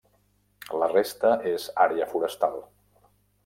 La resta és àrea forestal.